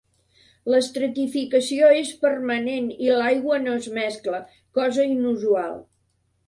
L'estratificació és permanent i l'aigua no es mescla, cosa inusual.